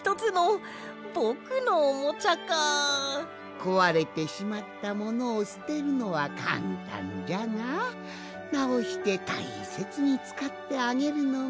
こわれてしまったものをすてるのはかんたんじゃがなおしてたいせつにつかってあげるのもいいもんじゃろう？